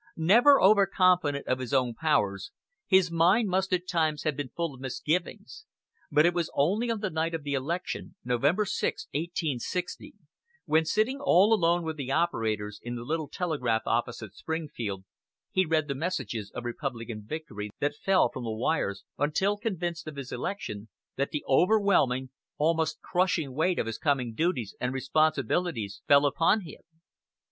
Never over confident of his own powers, his mind must at times have been full of misgivings; but it was only on the night of the election, November 6, 1860, when, sitting alone with the operators in the little telegraph office at Springfield, he read the messages of Republican victory that fell from the wires until convinced of his election, that the overwhelming, almost crushing weight of his coming duties and responsibilities fell upon him.